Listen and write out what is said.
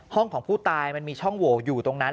ของผู้ตายมันมีช่องโหวอยู่ตรงนั้น